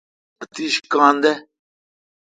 اتیش کاں دے۔